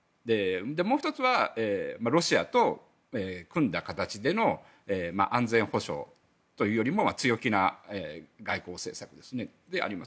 もう１つはロシアと組んだ形での安全保障という強気な外交政策ですね。